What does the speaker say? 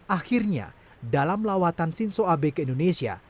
akhirnya dalam lawatan shinzo abe ke indonesia